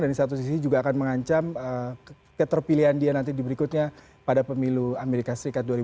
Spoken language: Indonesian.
dan di satu sisi juga akan mengancam keterpilihan dia nanti di berikutnya pada pemilu amerika serikat dua ribu dua puluh ini